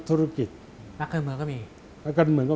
โอ้โฮ